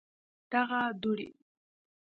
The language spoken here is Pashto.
دغه دوړي